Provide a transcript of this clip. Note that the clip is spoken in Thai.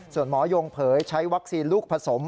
ส่วนหมอยงเผยใช้วัคซีนลูกผสม